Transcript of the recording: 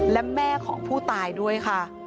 และแม่ของผู้ตายด้วยค่ะ